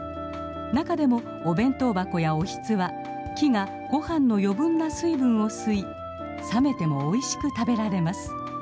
中でもお弁当箱やおひつは木がご飯の余分な水分を吸い冷めてもおいしく食べられます。